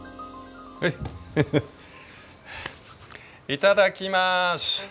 いただきます。